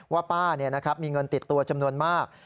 ว่าป้าเนี่ยนะครับมีเงินติดตัวจำนวนมาก